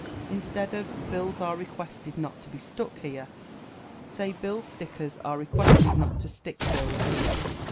Instead of "Bills are requested not to be stuck here," say "Billstickers are requested not to stick bills here."